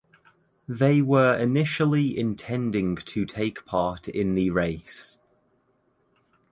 They were initially intending to take part in the race.